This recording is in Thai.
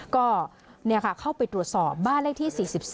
ก็เข้าไปตรวจสอบบ้านเลขที่๔๒